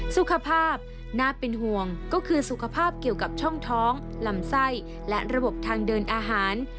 สุขภาพน่าเป็นห่วงก็คือสุขภาพเกี่ยวกับช่องท้องลำไส้และระบบทางเดินอาหาร